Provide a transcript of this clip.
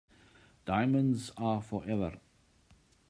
Diamonds are forever.